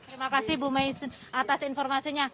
terima kasih bu mays atas informasinya